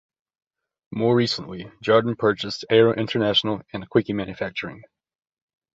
More recently, Jarden purchased Aero International and Quickie Manufacturing.